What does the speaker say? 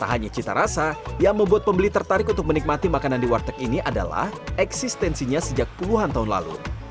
tak hanya cita rasa yang membuat pembeli tertarik untuk menikmati makanan di warteg ini adalah eksistensinya sejak puluhan tahun lalu